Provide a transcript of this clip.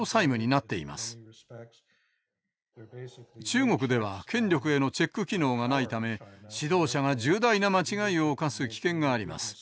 中国では権力へのチェック機能がないため指導者が重大な間違いを犯す危険があります。